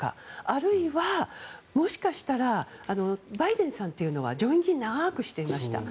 あるいは、もしかしたらバイデンさんというのは上院議員を長くしていました。